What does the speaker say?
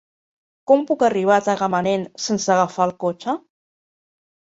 Com puc arribar a Tagamanent sense agafar el cotxe?